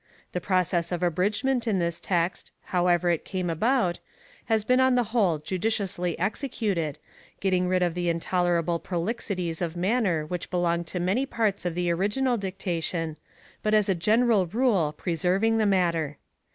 The process of abridgment in this text, however it came about, has been on the whole judiciously executed, getting rid of the intolerable prolixities of manner which belong to many parts of the Original Dictation, but as a general rule preserving the matter.